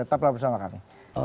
tetap bersama kami